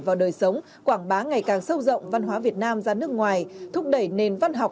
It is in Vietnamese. vào đời sống quảng bá ngày càng sâu rộng văn hóa việt nam ra nước ngoài thúc đẩy nền văn học